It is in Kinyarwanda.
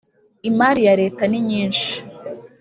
imari ya Leta ninyinshi